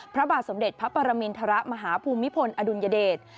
พระบาทสมเด็จพระปรมินทรมาฮภูมิพลอดุลยเดช